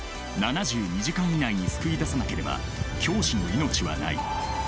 「７２時間以内に救い出さなければ教師の命はない」。